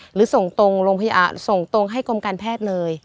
หรือส่งตรงโรงพยาบาลส่งตรงให้กรมการแพทย์เลย